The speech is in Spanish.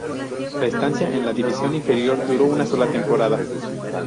La estancia en la división inferior duró una sola temporada.